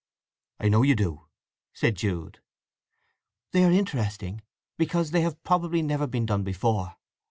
"I know you do!" said Jude. "They are interesting, because they have probably never been done before.